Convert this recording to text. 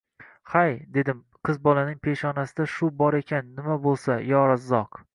Hay, dedim, qiz bolaning peshanasida shu bor ekan, nima boʼlsa, yo razzoq!